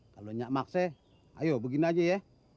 kalau enggak maksih ayo begini aja ya